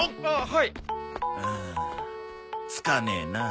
はあつかねえなあ。